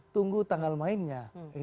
tunggu tanggal mainnya